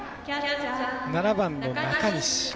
７番の中西。